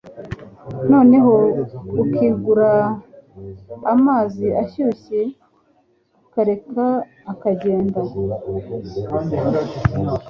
noneho ukingura amazi ashyushye ukareka akagenda